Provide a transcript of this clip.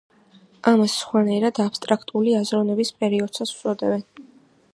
ამას სხვანაირად აბსტრაქტული აზროვნების პერიოდსაც უწოდებენ.